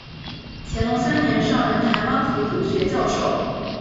乾隆三年上任台湾府儒学教授。